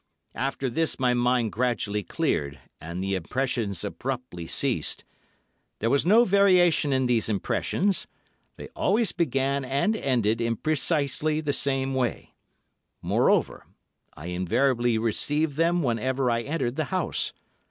After this my mind gradually cleared and the impressions abruptly ceased. There was no variation in these impressions, they always began and ended in precisely the same way; moreover, I invariably received them whenever I entered the house.